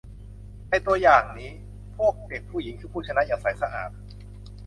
ในตัวอย่างนี้ พวกเด็กผู้หญิงคือผู้ชนะอย่างใสสะอาด